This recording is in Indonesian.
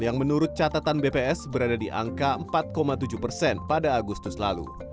yang menurut catatan bps berada di angka empat tujuh persen pada agustus lalu